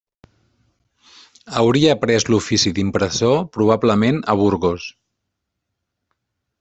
Hauria après l'ofici d'impressor, probablement, a Burgos.